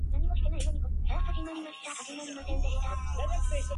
I saw a post commenting on a recent event that I hadn’t heard of.